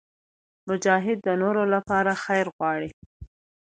مجاهد د نورو لپاره خیر غواړي.